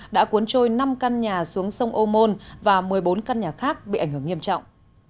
đã cuốn trôi năm căn nhà xuống sông ô môn và một mươi bốn căn nhà khác bị ảnh hưởng nghiêm trọng